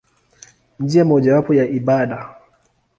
Njia mojawapo ya ibada.